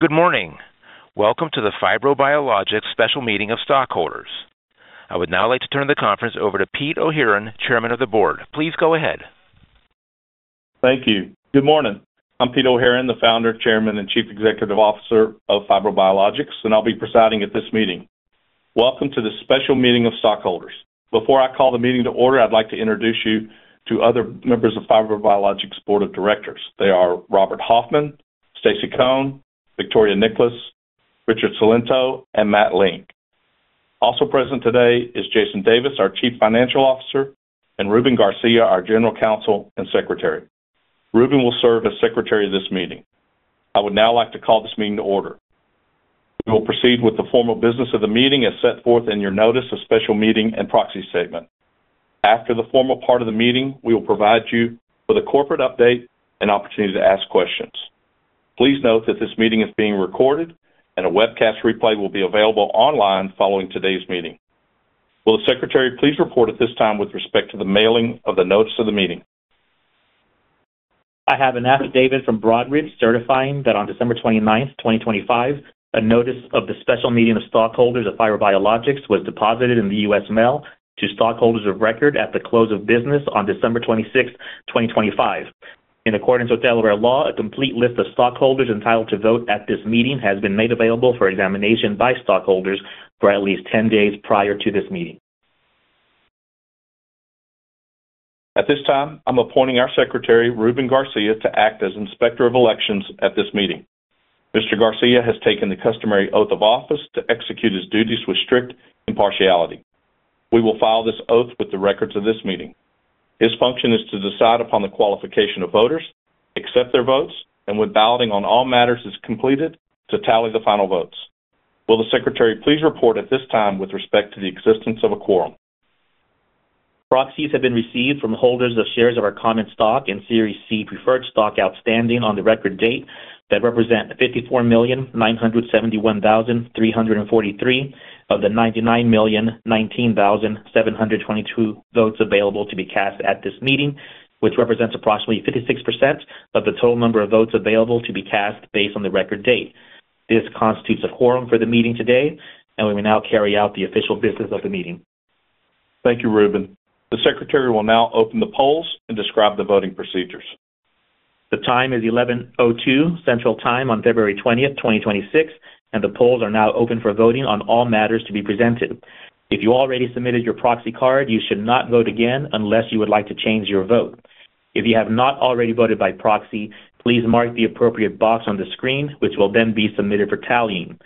Good morning. Welcome to the FibroBiologics Special Meeting of Stockholders. I would now like to turn the conference over to Pete O'Heeron, Chairman of the Board. Please go ahead. Thank you. Good morning. I'm Pete O'Heeron, the Founder, Chairman, and Chief Executive Officer of FibroBiologics, and I'll be presiding at this meeting. Welcome to the special meeting of stockholders. Before I call the meeting to order, I'd like to introduce you to other members of FibroBiologics' Board of Directors. They are Robert Hoffman, Stacy Coen, Victoria Niklas, Richard Cilento, and Matt Link. Also present today is Jason Davis, our Chief Financial Officer, and Ruben Garcia, our General Counsel and Secretary. Ruben will serve as Secretary of this meeting. I would now like to call this meeting to order. We will proceed with the formal business of the meeting as set forth in your notice of special meeting and proxy statement. After the formal part of the meeting, we will provide you with a corporate update and opportunity to ask questions. Please note that this meeting is being recorded, and a webcast replay will be available online following today's meeting. Will the Secretary please report at this time with respect to the mailing of the notice of the meeting? I have an affidavit from Broadridge certifying that on December 29, 2025, a notice of the special meeting of stockholders of FibroBiologics was deposited in the U.S. Mail to stockholders of record at the close of business on December 26, 2025. In accordance with Delaware law, a complete list of stockholders entitled to vote at this meeting has been made available for examination by stockholders for at least 10 days prior to this meeting. At this time, I'm appointing our Secretary, Ruben Garcia, to act as Inspector of Elections at this meeting. Mr. Garcia has taken the customary oath of office to execute his duties with strict impartiality. We will file this oath with the records of this meeting. His function is to decide upon the qualification of voters, accept their votes, and when balloting on all matters is completed, to tally the final votes. Will the Secretary please report at this time with respect to the existence of a quorum? Proxies have been received from holders of shares of our common stock and Series C preferred stock outstanding on the record date that represent 54,971,343 of the 99,019,722 votes available to be cast at this meeting, which represents approximately 56% of the total number of votes available to be cast based on the record date. This constitutes a quorum for the meeting today, and we will now carry out the official business of the meeting. Thank you, Ruben. The Secretary will now open the polls and describe the voting procedures. The time is 11:02 Central Time on February twentieth, 2026, and the polls are now open for voting on all matters to be presented. If you already submitted your proxy card, you should not vote again unless you would like to change your vote. If you have not already voted by proxy, please mark the appropriate box on the screen, which will then be submitted for tallying.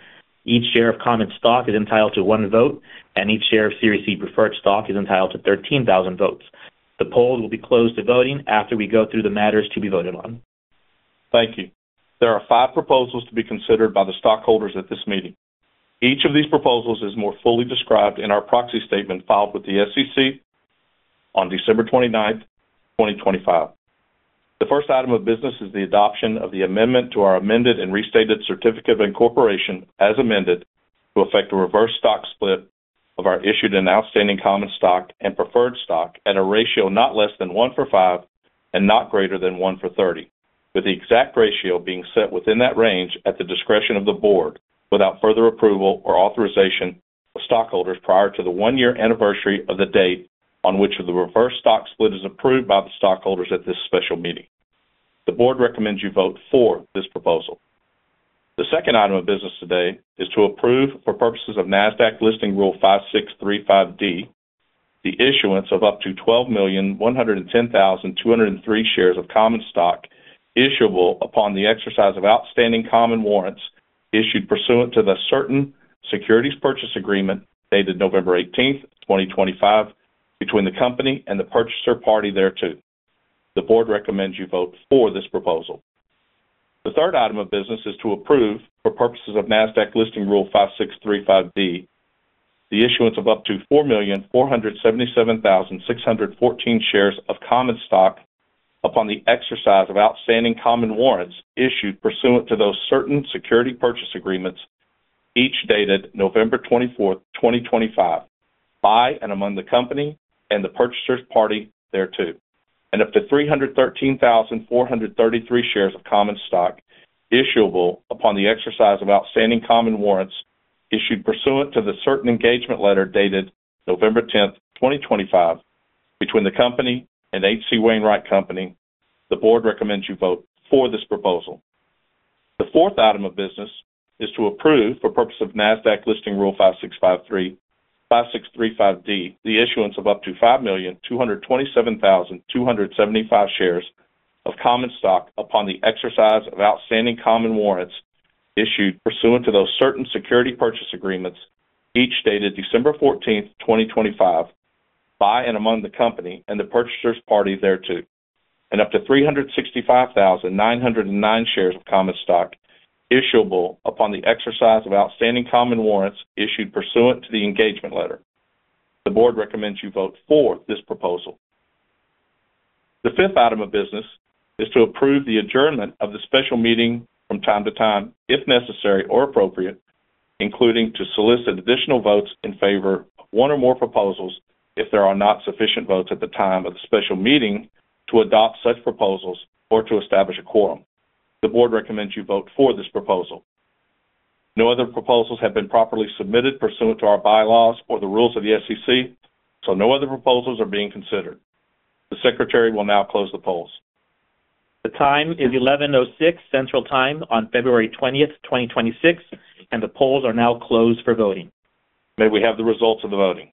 Each share of common stock is entitled to one vote, and each share of Series C preferred stock is entitled to 13,000 votes. The polls will be closed to voting after we go through the matters to be voted on. Thank you. There are 5 proposals to be considered by the stockholders at this meeting. Each of these proposals is more fully described in our proxy statement filed with the SEC on December 29, 2025. The first item of business is the adoption of the amendment to our amended and restated certificate of incorporation, as amended, to effect a reverse stock split of our issued and outstanding common stock and preferred stock at a ratio not less than 1-for-5 and not greater than 1-for-30, with the exact ratio being set within that range at the discretion of the board, without further approval or authorization of stockholders prior to the 1-year anniversary of the date on which the reverse stock split is approved by the stockholders at this special meeting. The board recommends you vote for this proposal. The second item of business today is to approve, for purposes of Nasdaq listing Rule 5635(d), the issuance of up to 12,110,203 shares of common stock, issuable upon the exercise of outstanding common warrants issued pursuant to the certain securities purchase agreement dated November 18, 2025, between the company and the purchaser party thereto. The board recommends you vote for this proposal. The third item of business is to approve, for purposes of Nasdaq listing Rule 5635D, the issuance of up to 4,477,614 shares of common stock upon the exercise of outstanding common warrants issued pursuant to those certain security purchase agreements, each dated November 24, 2025, by and among the company and the purchasers party thereto, and up to 313,433 shares of common stock, issuable upon the exercise of outstanding common warrants issued pursuant to the certain engagement letter dated November 10, 2025, between the company and H.C. Wainwright & Co. The board recommends you vote for this proposal. The fourth item of business is to approve, for purpose of Nasdaq listing Rule 5635(d), the issuance of up to 5,227,275 shares of common stock upon the exercise of outstanding common warrants issued pursuant to those certain security purchase agreements, each dated December 14, 2025, by and among the company and the purchasers party thereto, and up to 365,909 shares of common stock, issuable upon the exercise of outstanding common warrants issued pursuant to the engagement letter. The board recommends you vote for this proposal. The fifth item of business is to approve the adjournment of the special meeting from time to time, if necessary or appropriate... including to solicit additional votes in favor of one or more proposals if there are not sufficient votes at the time of the special meeting to adopt such proposals or to establish a quorum. The board recommends you vote for this proposal. No other proposals have been properly submitted pursuant to our bylaws or the rules of the SEC, so no other proposals are being considered. The Secretary will now close the polls. The time is 11:06 Central Time on February twentieth, 2026, and the polls are now closed for voting. May we have the results of the voting?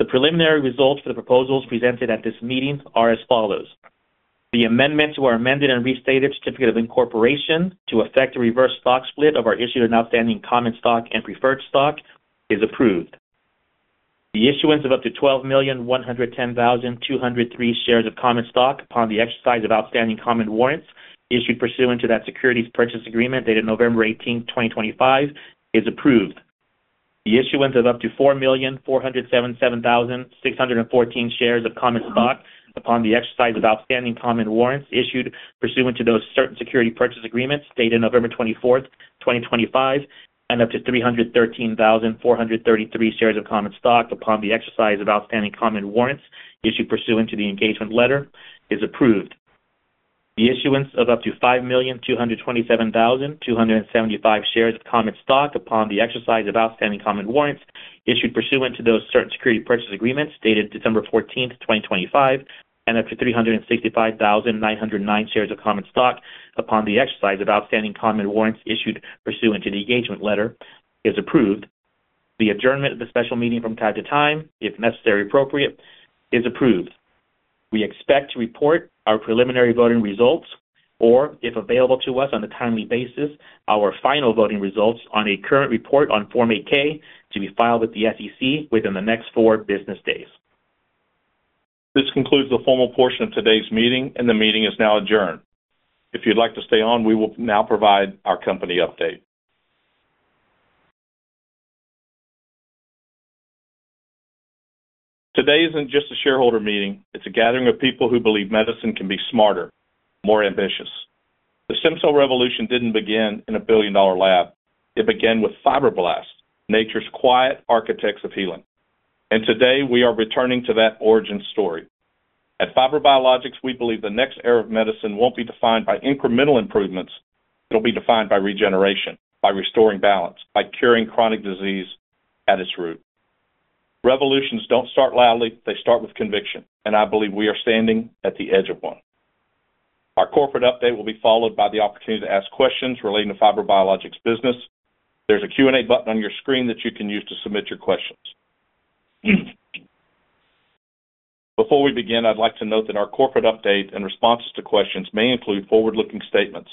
The preliminary results for the proposals presented at this meeting are as follows: The amendments to our amended and restated certificate of incorporation to affect a reverse stock split of our issued and outstanding common stock and preferred stock is approved. The issuance of up to 12,110,203 shares of common stock upon the exercise of outstanding common warrants issued pursuant to that securities purchase agreement dated November 18, 2025, is approved. The issuance of up to 4,477,614 shares of common stock upon the exercise of outstanding common warrants issued pursuant to those certain security purchase agreements dated November 24, 2025, and up to 313,433 shares of common stock upon the exercise of outstanding common warrants issued pursuant to the engagement letter is approved. The issuance of up to 5,227,275 shares of common stock upon the exercise of outstanding common warrants issued pursuant to those certain security purchase agreements dated December 14, 2025, and up to 365,909 shares of common stock upon the exercise of outstanding common warrants issued pursuant to the engagement letter is approved. The adjournment of the special meeting from time to time, if necessary, appropriate, is approved. We expect to report our preliminary voting results or if available to us on a timely basis, our final voting results on a current report on Form 8-K to be filed with the SEC within the next four business days. This concludes the formal portion of today's meeting, and the meeting is now adjourned. If you'd like to stay on, we will now provide our company update. Today isn't just a shareholder meeting; it's a gathering of people who believe medicine can be smarter, more ambitious. The stem cell revolution didn't begin in a billion-dollar lab. It began with fibroblasts, nature's quiet architects of healing. Today, we are returning to that origin story. At FibroBiologics, we believe the next era of medicine won't be defined by incremental improvements. It'll be defined by regeneration, by restoring balance, by curing chronic disease at its root. Revolutions don't start loudly. They start with conviction, and I believe we are standing at the edge of one. Our corporate update will be followed by the opportunity to ask questions relating to FibroBiologics' business. There's a Q&A button on your screen that you can use to submit your questions. Before we begin, I'd like to note that our corporate update and responses to questions may include forward-looking statements.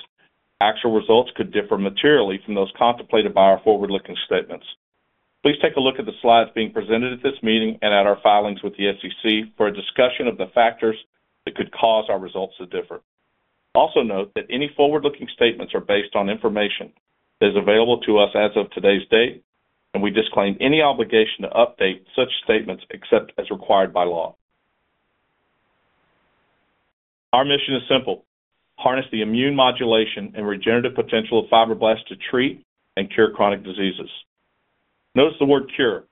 Actual results could differ materially from those contemplated by our forward-looking statements. Please take a look at the slides being presented at this meeting and at our filings with the SEC for a discussion of the factors that could cause our results to differ. Also, note that any forward-looking statements are based on information that is available to us as of today's date, and we disclaim any obligation to update such statements except as required by law. Our mission is simple: harness the immune modulation and regenerative potential of fibroblasts to treat and cure chronic diseases. Notice the word cure.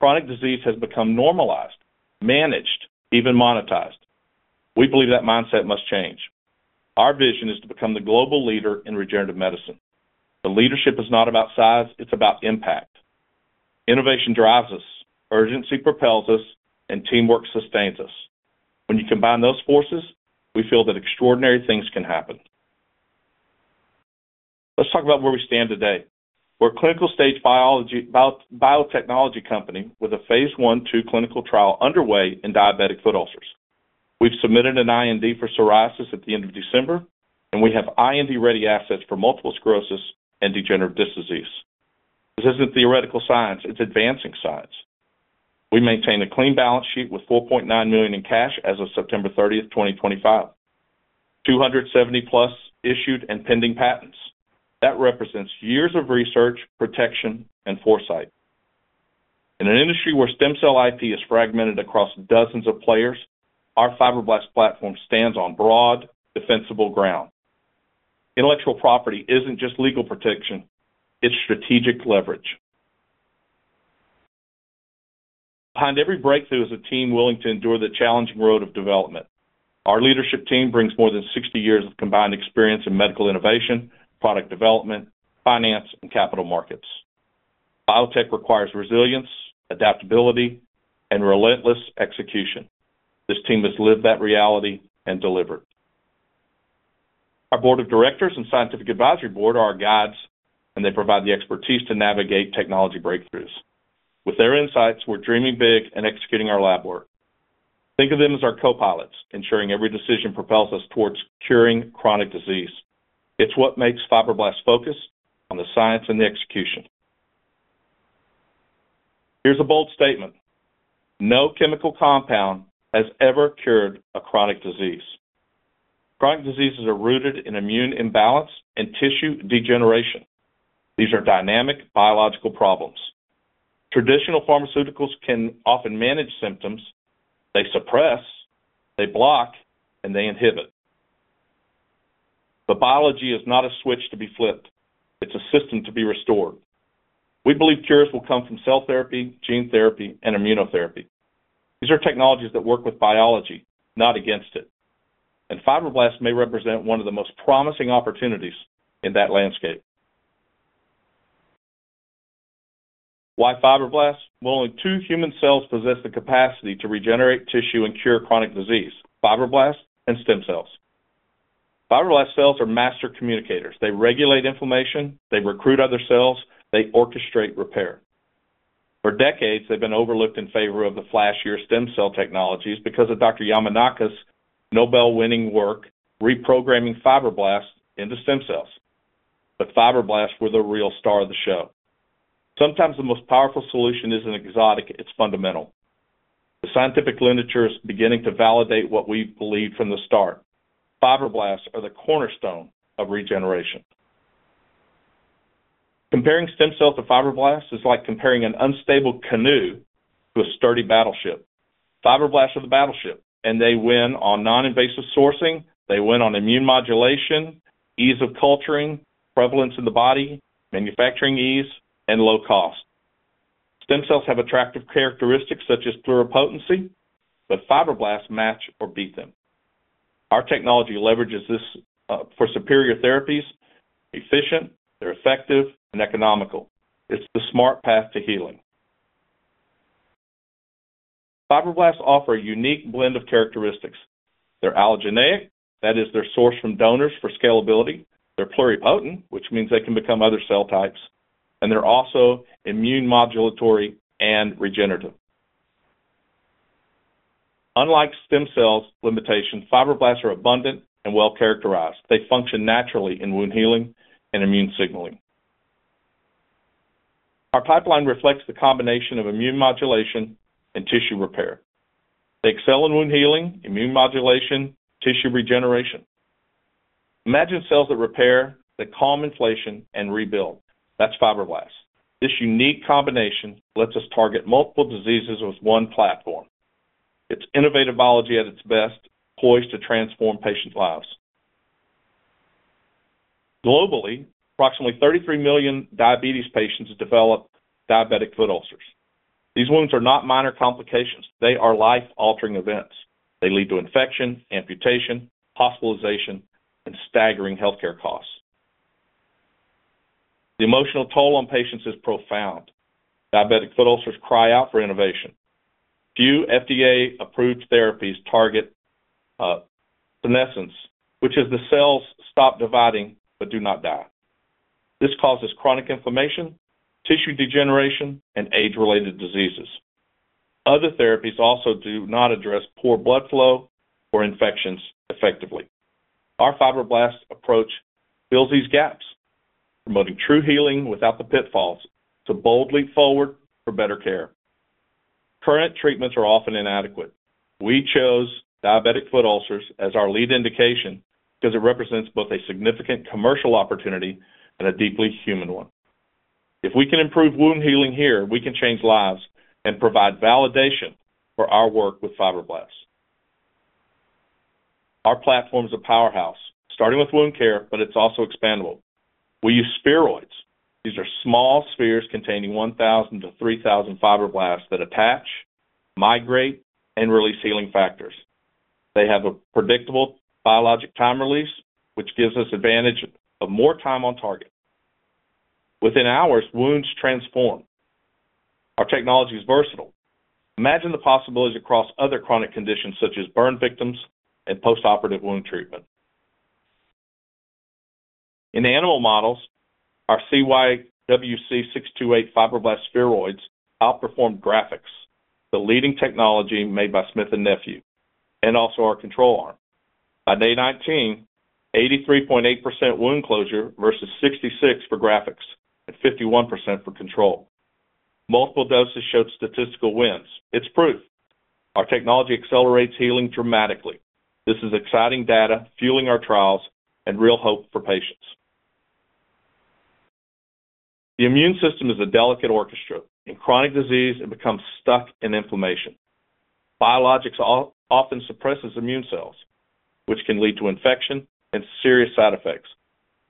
Chronic disease has become normalized, managed, even monetized. We believe that mindset must change. Our vision is to become the global leader in regenerative medicine. But leadership is not about size; it's about impact. Innovation drives us, urgency propels us, and teamwork sustains us. When you combine those forces, we feel that extraordinary things can happen. Let's talk about where we stand today. We're a clinical-stage biotechnology company with a Phase 1/2 clinical trial underway in diabetic foot ulcers. We've submitted an IND for psoriasis at the end of December, and we have IND-ready assets for multiple sclerosis and degenerative disc disease. This isn't theoretical science; it's advancing science. We maintain a clean balance sheet with $4.9 million in cash as of September 30, 2025. 270+ issued and pending patents. That represents years of research, protection, and foresight. In an industry where stem cell IP is fragmented across dozens of players, our fibroblast platform stands on broad, defensible ground. Intellectual property isn't just legal protection. It's strategic leverage. Behind every breakthrough is a team willing to endure the challenging road of development. Our leadership team brings more than 60 years of combined experience in medical innovation, product development, finance, and capital markets. Biotech requires resilience, adaptability, and relentless execution. This team has lived that reality and delivered. Our board of directors and scientific advisory board are our guides, and they provide the expertise to navigate technology breakthroughs. With their insights, we're dreaming big and executing our lab work. Think of them as our copilots, ensuring every decision propels us towards curing chronic disease. It's what makes fibroblasts focus on the science and the execution. Here's a bold statement: No chemical compound has ever cured a chronic disease. Chronic diseases are rooted in immune imbalance and tissue degeneration. These are dynamic biological problems.... Traditional pharmaceuticals can often manage symptoms. They suppress, they block, and they inhibit. But biology is not a switch to be flipped, it's a system to be restored. We believe cures will come from cell therapy, gene therapy, and immunotherapy. These are technologies that work with biology, not against it, and fibroblasts may represent one of the most promising opportunities in that landscape. Why fibroblasts? Well, only two human cells possess the capacity to regenerate tissue and cure chronic disease: fibroblasts and stem cells. Fibroblast cells are master communicators. They regulate inflammation, they recruit other cells, they orchestrate repair. For decades, they've been overlooked in favor of the flashier stem cell technologies because of Dr. Yamanaka's Nobel-winning work reprogramming fibroblasts into stem cells. But fibroblasts were the real star of the show. Sometimes the most powerful solution isn't exotic, it's fundamental. The scientific literature is beginning to validate what we've believed from the start. Fibroblasts are the cornerstone of regeneration. Comparing stem cells to fibroblasts is like comparing an unstable canoe to a sturdy battleship. Fibroblasts are the battleship, and they win on non-invasive sourcing, they win on immune modulation, ease of culturing, prevalence in the body, manufacturing ease, and low cost. Stem cells have attractive characteristics such as pluripotency, but fibroblasts match or beat them. Our technology leverages this for superior therapies, efficient, they're effective, and economical. It's the smart path to healing. Fibroblasts offer a unique blend of characteristics. They're allogeneic, that is, they're sourced from donors for scalability. They're pluripotent, which means they can become other cell types, and they're also immune modulatory and regenerative. Unlike stem cells' limitations, fibroblasts are abundant and well-characterized. They function naturally in wound healing and immune signaling. Our pipeline reflects the combination of immune modulation and tissue repair. They excel in wound healing, immune modulation, tissue regeneration. Imagine cells that repair, that calm inflammation, and rebuild. That's fibroblasts. This unique combination lets us target multiple diseases with one platform. It's innovative biology at its best, poised to transform patients' lives. Globally, approximately 33 million diabetes patients develop diabetic foot ulcers. These wounds are not minor complications. They are life-altering events. They lead to infection, amputation, hospitalization, and staggering healthcare costs. The emotional toll on patients is profound. Diabetic foot ulcers cry out for innovation. Few FDA-approved therapies target senescence, which is the cells stop dividing but do not die. This causes chronic inflammation, tissue degeneration, and age-related diseases. Other therapies also do not address poor blood flow or infections effectively. Our fibroblasts approach fills these gaps, promoting true healing without the pitfalls to boldly forward for better care. Current treatments are often inadequate. We chose diabetic foot ulcers as our lead indication because it represents both a significant commercial opportunity and a deeply human one. If we can improve wound healing here, we can change lives and provide validation for our work with fibroblasts. Our platform is a powerhouse, starting with wound care, but it's also expandable. We use spheroids. These are small spheres containing 1,000-3,000 fibroblasts that attach, migrate, and release healing factors. They have a predictable biologic time release, which gives us advantage of more time on target. Within hours, wounds transform. Our technology is versatile. Imagine the possibilities across other chronic conditions, such as burn victims and postoperative wound treatment. In animal models, our CYWC-628 fibroblast spheroids outperformed Grafix, the leading technology made by Smith & Nephew, and also our control arm. By day 19, 83.8% wound closure versus 66% for Grafix and 51% for control. Multiple doses showed statistical wins. It's proof our technology accelerates healing dramatically. This is exciting data fueling our trials and real hope for patients. The immune system is a delicate orchestra. In chronic disease, it becomes stuck in inflammation. Biologics also often suppresses immune cells, which can lead to infection and serious side effects.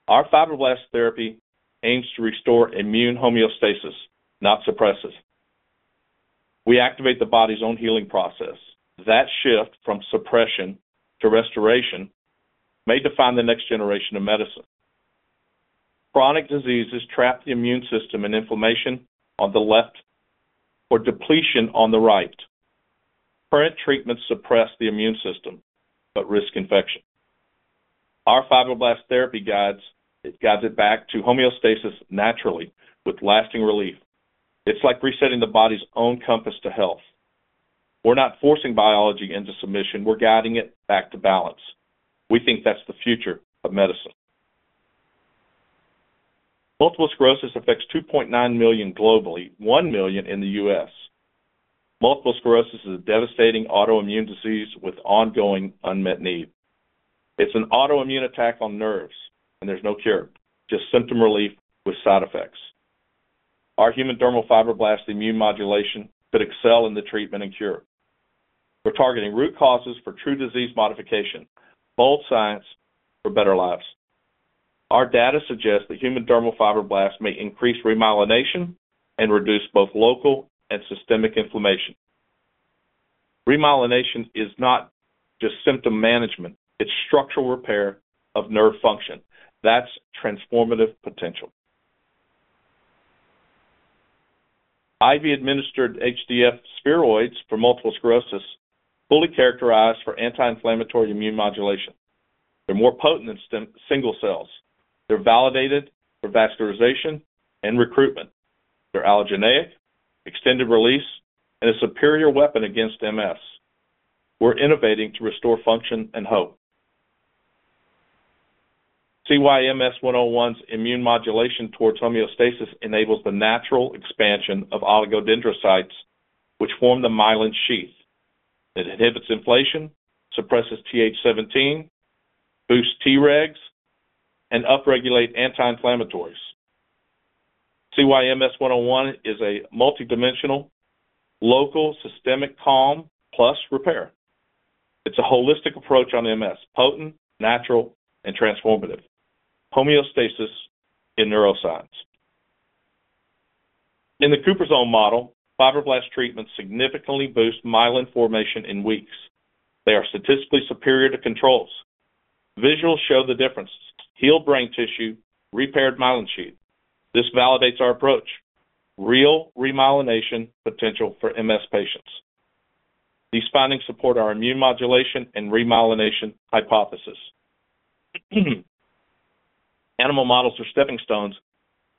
Our fibroblast therapy aims to restore immune homeostasis, not suppress it. We activate the body's own healing process. That shift from suppression to restoration may define the next generation of medicine. Chronic diseases trap the immune system and inflammation on the left or depletion on the right. Current treatments suppress the immune system, but risk infection. Our fibroblast therapy guides, it guides it back to homeostasis naturally with lasting relief. It's like resetting the body's own compass to health. We're not forcing biology into submission, we're guiding it back to balance. We think that's the future of medicine. Multiple sclerosis affects 2.9 million globally, 1 million in the U.S.... Multiple sclerosis is a devastating autoimmune disease with ongoing unmet need. It's an autoimmune attack on nerves, and there's no cure, just symptom relief with side effects. Our human dermal fibroblast immune modulation could excel in the treatment and cure. We're targeting root causes for true disease modification, bold science for better lives. Our data suggests that human dermal fibroblasts may increase remyelination and reduce both local and systemic inflammation. Remyelination is not just symptom management. It's structural repair of nerve function. That's transformative potential. IV-administered HDF spheroids for multiple sclerosis, fully characterized for anti-inflammatory immune modulation. They're more potent than stem single cells. They're validated for vascularization and recruitment. They're allogeneic, extended release, and a superior weapon against MS. We're innovating to restore function and hope. CYMS-101's immune modulation towards homeostasis enables the natural expansion of oligodendrocytes, which form the myelin sheath. It inhibits inflammation, suppresses Th17, boosts Tregs, and upregulate anti-inflammatories. CYMS-101 is a multidimensional, local, systemic calm plus repair. It's a holistic approach on MS: potent, natural, and transformative. Homeostasis in neuroscience. In the cuprizone model, fibroblast treatments significantly boost myelin formation in weeks. They are statistically superior to controls. Visuals show the difference: healed brain tissue, repaired myelin sheath. This validates our approach, real remyelination potential for MS patients. These findings support our immune modulation and remyelination hypothesis. Animal models are stepping stones,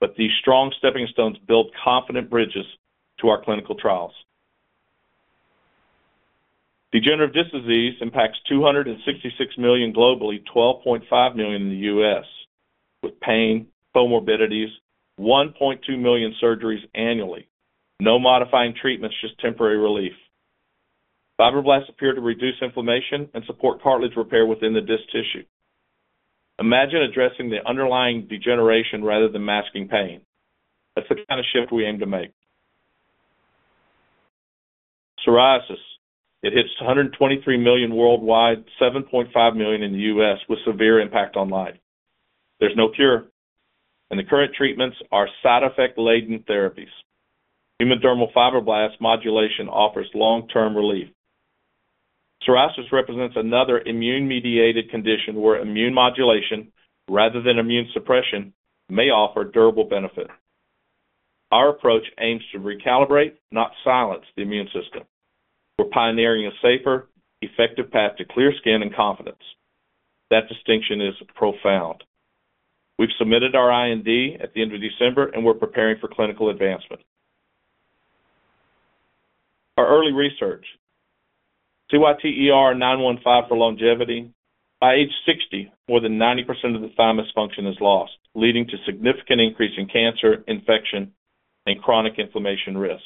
but these strong stepping stones build confident bridges to our clinical trials. Degenerative disc disease impacts 266 million globally, 12.5 million in the U.S., with pain, comorbidities, 1.2 million surgeries annually. No modifying treatments, just temporary relief. Fibroblasts appear to reduce inflammation and support cartilage repair within the disc tissue. Imagine addressing the underlying degeneration rather than masking pain. That's the kind of shift we aim to make. Psoriasis, it hits 123 million worldwide, 7.5 million in the U.S., with severe impact on life. There's no cure, and the current treatments are side-effect-laden therapies. Human dermal fibroblast modulation offers long-term relief. Psoriasis represents another immune-mediated condition where immune modulation, rather than immune suppression, may offer durable benefit. Our approach aims to recalibrate, not silence, the immune system. We're pioneering a safer, effective path to clear skin and confidence. That distinction is profound. We've submitted our IND at the end of December, and we're preparing for clinical advancement. Our early research, CYTER-915 for longevity. By age 60, more than 90% of the thymus function is lost, leading to significant increase in cancer, infection, and chronic inflammation risk.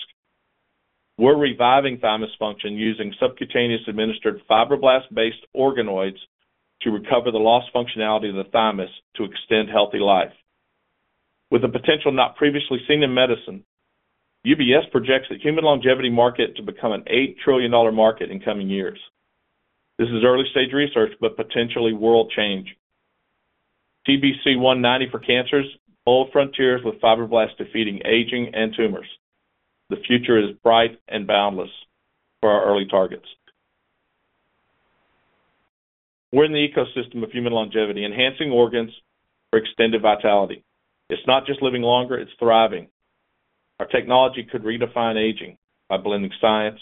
We're reviving thymus function using subcutaneous-administered fibroblast-based organoids to recover the lost functionality of the thymus to extend healthy life. With a potential not previously seen in medicine, UBS projects the human longevity market to become an $8 trillion market in coming years. This is early-stage research, but potentially world-changing. TBC-190 for cancers, bold frontiers with fibroblasts defeating aging and tumors. The future is bright and boundless for our early targets. We're in the ecosystem of human longevity, enhancing organs for extended vitality. It's not just living longer, it's thriving. Our technology could redefine aging by blending science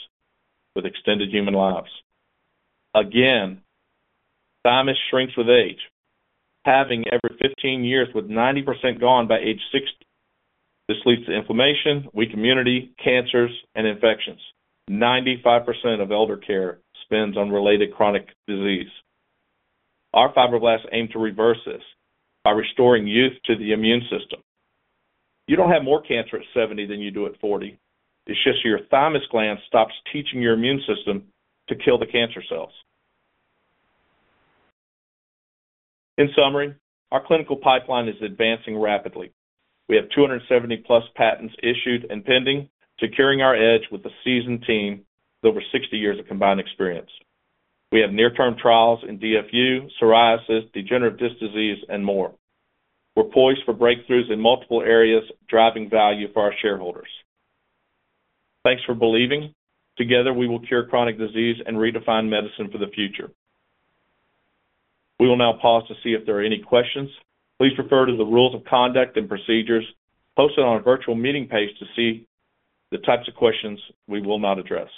with extended human lives. Again, thymus shrinks with age, halving every 15 years, with 90% gone by age 60. This leads to inflammation, weak immunity, cancers, and infections. 95% of elder care spends on related chronic disease. Our fibroblasts aim to reverse this by restoring youth to the immune system. You don't have more cancer at 70 than you do at 40. It's just your thymus gland stops teaching your immune system to kill the cancer cells. In summary, our clinical pipeline is advancing rapidly. We have 270+ patents issued and pending, securing our edge with a seasoned team with over 60 years of combined experience. We have near-term trials in DFU, psoriasis, degenerative disc disease, and more. We're poised for breakthroughs in multiple areas, driving value for our shareholders. Thanks for believing. Together, we will cure chronic disease and redefine medicine for the future. We will now pause to see if there are any questions. Please refer to the rules of conduct and procedures posted on our virtual meeting page to see the types of questions we will not address.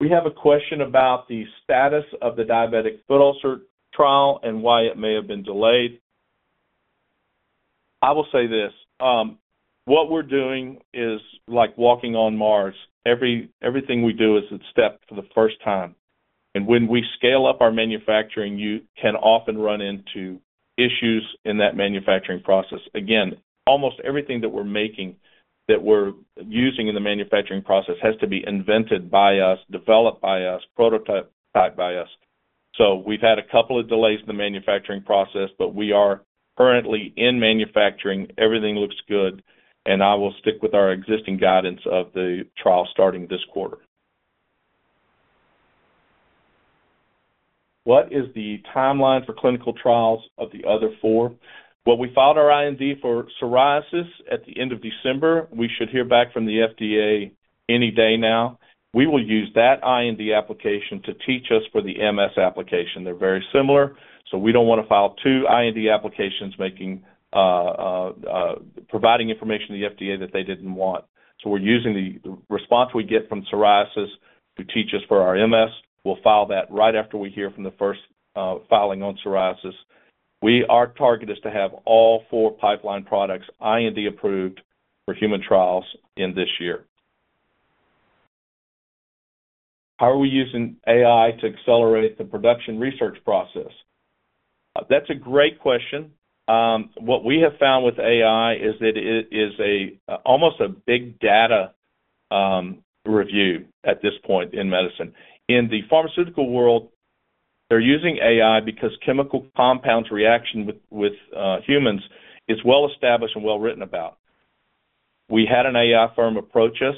We have a question about the status of the diabetic foot ulcer trial and why it may have been delayed. I will say this, what we're doing is like walking on Mars. Everything we do is a step for the first time. When we scale up our manufacturing, you can often run into issues in that manufacturing process. Again, almost everything that we're making, that we're using in the manufacturing process, has to be invented by us, developed by us, prototyped by us. So we've had a couple of delays in the manufacturing process, but we are currently in manufacturing. Everything looks good, and I will stick with our existing guidance of the trial starting this quarter. What is the timeline for clinical trials of the other four? Well, we filed our IND for psoriasis at the end of December. We should hear back from the FDA any day now. We will use that IND application to teach us for the MS application. They're very similar, so we don't want to file two IND applications, making, providing information to the FDA that they didn't want. So we're using the response we get from psoriasis to teach us for our MS. We'll file that right after we hear from the first, filing on psoriasis. Our target is to have all four pipeline products IND approved for human trials in this year. How are we using AI to accelerate the production research process? That's a great question. What we have found with AI is that it is almost a big data review at this point in medicine. In the pharmaceutical world, they're using AI because chemical compounds reaction with humans is well-established and well-written about. We had an AI firm approach us.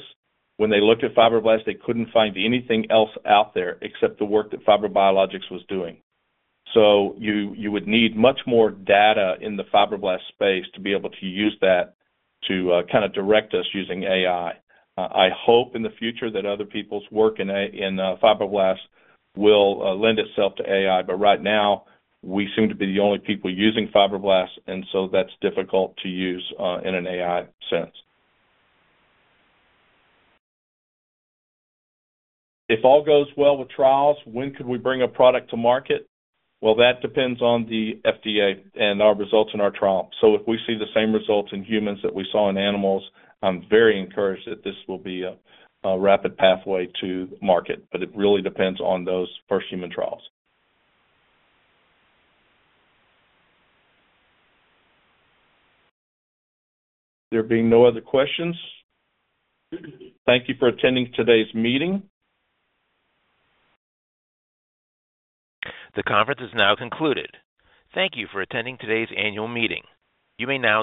When they looked at fibroblasts, they couldn't find anything else out there except the work that FibroBiologics was doing. So you would need much more data in the fibroblast space to be able to use that to kinda direct us using AI. I hope in the future that other people's work in fibroblasts will lend itself to AI, but right now, we seem to be the only people using fibroblasts, and so that's difficult to use in an AI sense. If all goes well with trials, when could we bring a product to market? Well, that depends on the FDA and our results in our trial. So if we see the same results in humans that we saw in animals, I'm very encouraged that this will be a rapid pathway to market, but it really depends on those first human trials. There being no other questions, thank you for attending today's meeting. The conference is now concluded. Thank you for attending today's annual meeting. You may now disconnect.